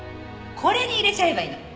「これに入れちゃえばいいの」